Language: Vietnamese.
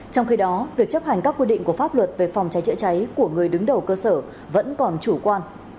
trong khi đó việc chấp hành các quy định của pháp luật về phòng trái trựa trái của người đứng đầu cơ sở vẫn còn chủ quan